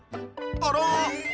あら？